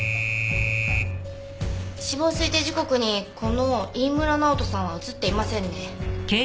死亡推定時刻にこの飯村直人さんは映っていませんね。